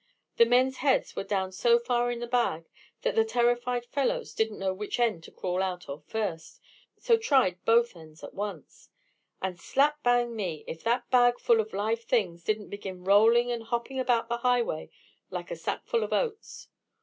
The men's heads were down so far in the bag that the terrified fellows didn't know which end to crawl out of first, so tried both ends at once; and, slap bang me! if that bag full of live things didn't begin rolling and hopping about the highway like a sackful of oats.